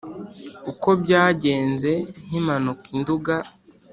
uko byagenze nkimanuka i nduga